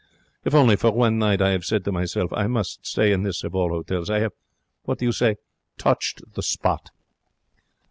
If only for one night, I have said to myself, I must stay in this of all hotels.' I 'ave what do you say? touched the spot.